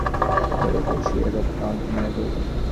বলিয়া উপরে উঠিয়া বিহারীর ঘরে কৌচের উপর শুইয়া তৎক্ষণাৎ ঘুমাইয়া পড়িল।